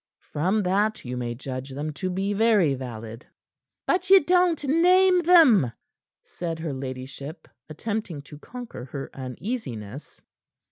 From that, you may judge them to be very valid." "But ye don't name them," said her ladyship, attempting to conquer her uneasiness.